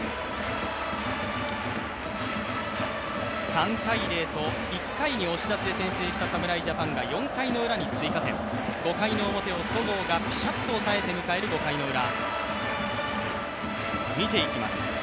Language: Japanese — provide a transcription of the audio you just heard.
３−０と１回に押し出しで先制した侍ジャパンが４回のウラに追加点、５回表を戸郷がぴしゃっと抑えて迎える５回ウラ。